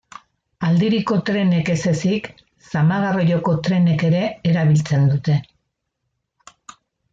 Aldiriko trenek ez ezik, zama-garraioko trenek ere erabiltzen dute.